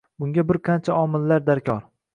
bunga bir qancha omillar darkor.